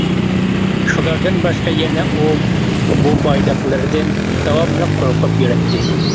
شۇلاردىن باشقا يەنە ئۇ بۇ بايلىقلىرىدىن داۋاملىق قورقۇپ يۈرەتتى.